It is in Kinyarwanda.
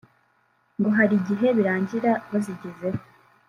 ngo hari igihe birangira bazigezeho